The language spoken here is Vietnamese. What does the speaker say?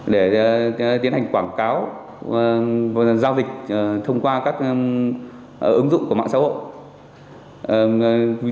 để tiến hành quảng cáo và giao dịch thông qua các ứng dụng của mạng xã hội